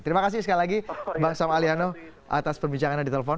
terima kasih sekali lagi bang sam aliano atas perbincangannya di telepon